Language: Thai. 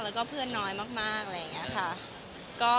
แล้วก็เพื่อนน้อยมากอะไรอย่างนี้ค่ะ